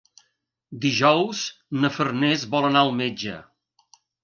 Dijous na Farners vol anar al metge.